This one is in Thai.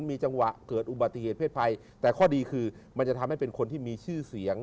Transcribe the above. มีจังหวะเกิดอุบัติเหตุเพศภัยแต่ข้อดีคือมันจะทำให้เป็นคนที่มีชื่อเสียง